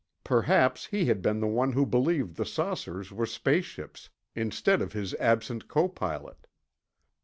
Perhaps he had been the one who believed the saucers were space ships, instead of his absent copilot.